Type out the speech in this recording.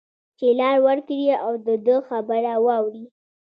چې لار ورکړی او د ده خبره واوري